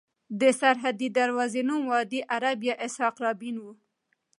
د سرحدي دروازې نوم وادي عرب یا اسحاق رابین وو.